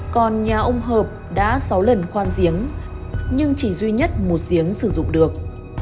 còn nhà ông hợp đã sáu lần khoan riêng nhưng chỉ duy nhất một riêng sử dụng được